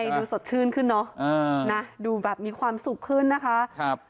ดูสดชื่นขึ้นเนอะนะดูแบบมีความสุขขึ้นนะคะครับ